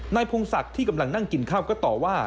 พงศักดิ์ที่กำลังนั่งกินข้าวก็ต่อว่า